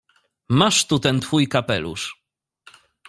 — Masz tu ten twój kapelusz.